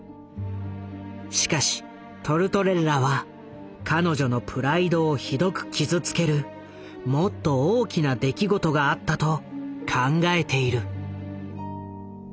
しかしトルトレッラは彼女のプライドをひどく傷つけるもっと大きな出来事があったと考えている。